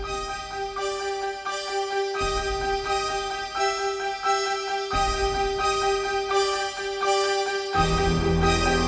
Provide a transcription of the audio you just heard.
aku hanya mimpi buruk